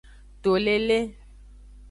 To lele.